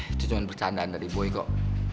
itu cuma bercandaan dari boy kok